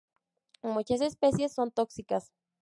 Muchas especies son tóxicas.